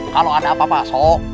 kalau ada apa pak sok